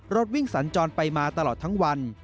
รถวิ่งสัญจรไปมาตลอดทั้งวัน